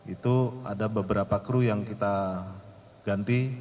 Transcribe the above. itu ada beberapa kru yang kita ganti